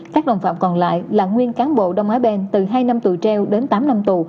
các đồng phạm còn lại là nguyên cán bộ đông á ben từ hai năm tù treo đến tám năm tù